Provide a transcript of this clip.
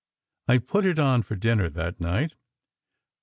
I put it on for dinner that night.